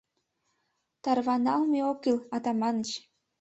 — Тарванылме ок кӱл, Атаманыч.